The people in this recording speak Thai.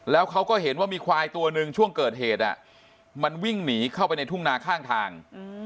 แล้วเขาก็เห็นว่ามีควายตัวหนึ่งช่วงเกิดเหตุมันวิ่งหนีเข้าไปในทุ่งนาข้างทาง